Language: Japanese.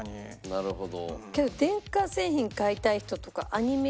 なるほど。